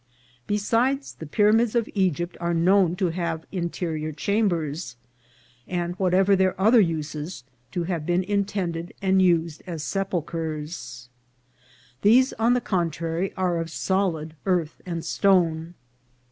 Besides, the pyramids of Egypt are known to have interior chambers, and, what ever their other uses, to have been intended and used as sepulchres. These, on the contrary, are of solid earth and stone